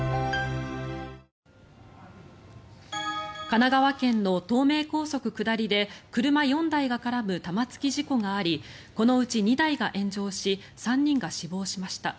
神奈川県の東名高速下りで車４台が絡む玉突き事故がありこのうち２台が炎上し３人が死亡しました。